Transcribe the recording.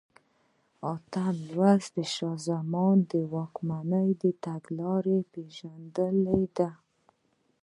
اتم لوست د شاه زمان د واکمنۍ تګلارې پېژندل دي.